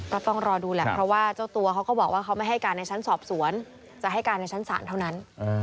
ก็ต้องรอดูแหละเพราะว่าเจ้าตัวเขาก็บอกว่าเขาไม่ให้การในชั้นสอบสวนจะให้การในชั้นศาลเท่านั้น